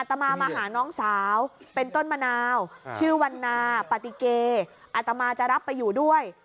ตามมามาหาน้องสาวเป็นต้นมะนาวชื่อวันนาปฏิเกอัตมาจะรับไปอยู่ด้วย